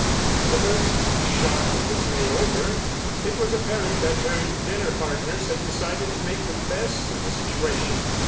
The first shock of dismay over, it was apparent that her dinner partners had decided to make the best of the situation.